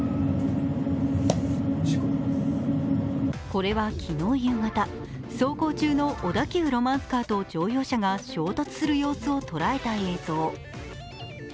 これは昨日夕方、走行中の小田急ロマンスカーと乗用車が衝突する様子を捉えた映像。